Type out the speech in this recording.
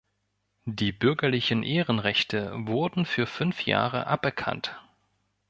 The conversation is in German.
Die bürgerlichen Ehrenrechte wurden für fünf Jahre aberkannt.